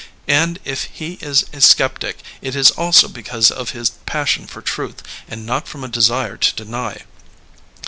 And if he is a skeptic it is also because of his passion for truth, and not from a desire to deny.